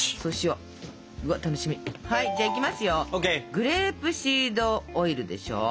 グレープシードオイルでしょう。